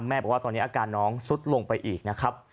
บอกว่าตอนนี้อาการน้องสุดลงไปอีกนะครับ